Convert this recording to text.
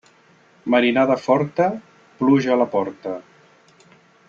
Marinada forta, pluja a la porta.